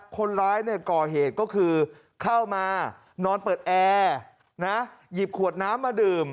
คนร้ายก่อเหตุก็คือเข้ามานอนเปิดแอร์หยิบขวดน้ำมาดื่ม